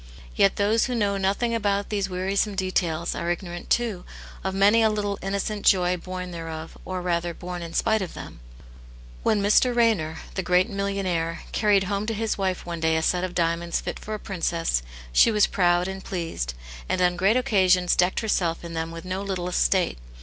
Yet those who know nothing^ about these wearisome details, are ignorant, too, of many a little innocent joy born thereof, or rather, born in spite of them. When Mr. Raynor, the greaj^ millionaire, carried home to his wife one day a set of' • Lit diamonds fit for a princess^ she was proud ana pleased, and on great occasions decked herself in them with no little state.